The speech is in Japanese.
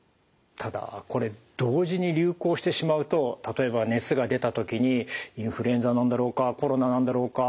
ただこれ同時に流行してしまうと例えば熱が出た時にインフルエンザなんだろうかコロナなんだろうか。